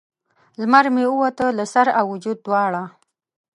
لمر مې ووتی له سر او وجود دواړه